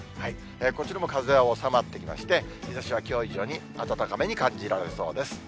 こちらも風は収まってきまして、日ざしはきょう以上に暖かめに感じられそうです。